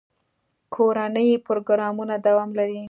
کورني پروګرامونه دوام لري.